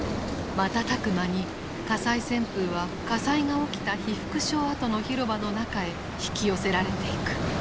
瞬く間に火災旋風は火災が起きた被服廠跡の広場の中へ引き寄せられていく。